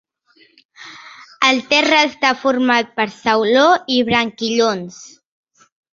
El terra està format per sauló i branquillons.